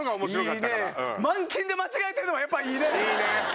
マンキンで間違えてるのはやっぱいいね！